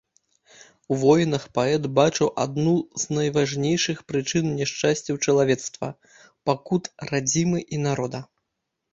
У войнах паэт бачыў адну з найважнейшых прычын няшчасцяў чалавецтва, пакут радзімы і народа.